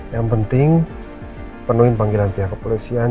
yang penting penuhi panggilan pihak kepolisian